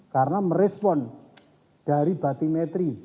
karena merespon dari batimetri